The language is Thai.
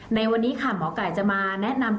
ในวันนี้ค่ะหมอไก่จะมาแนะนำ